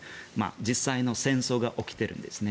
実際の戦争が起きているんですね。